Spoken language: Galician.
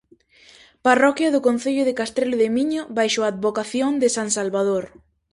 Parroquia do concello de Castrelo de Miño baixo a advocación de san Salvador.